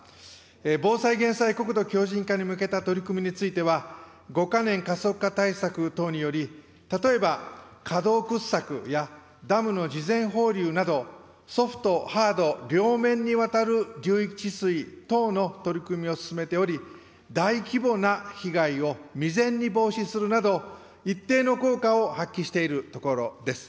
防災・減災・国土強じん化に向けた取り組みについては、５か年加速化対策等により、例えば、河道掘削やダムの事前放流など、ソフト、ハード両面にわたる等の取り組みを進めており、大規模な被害を未然に防止するなど、一定の効果を発揮しているところです。